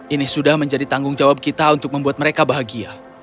ini sudah menjadi tanggung jawab kita untuk membuat mereka bahagia